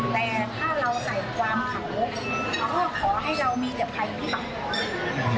แต่ถ้าเราใส่ความเผาเขาขอให้เรามีเจอภัยที่บังคลอด